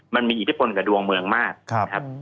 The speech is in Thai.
มันมีอิทธิพลกับดวงเมืองมากนะครับ